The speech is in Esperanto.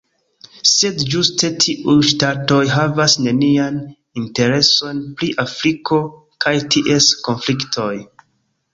Sed ĝuste tiuj ŝtatoj havas nenian intereson pri Afriko kaj ties konfliktoj.